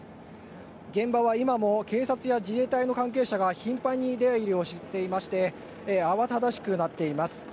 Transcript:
現場は今も警察や自衛隊の関係者が頻繁に出入りしていまして慌ただしくなっています。